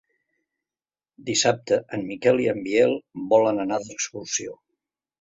Dissabte en Miquel i en Biel volen anar d'excursió.